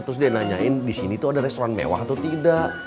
terus dia nanyain di sini tuh ada restoran mewah atau tidak